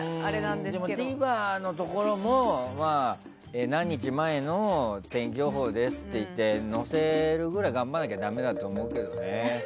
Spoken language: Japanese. ＴＶｅｒのところも何日前の天気予報ですっていって載せるぐらい頑張らないとだめだと思うけどね。